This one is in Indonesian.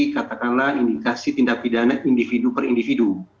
katakanlah indikasi tindak pidana individu per individu